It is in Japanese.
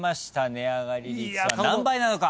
値上がり率は何倍なのか？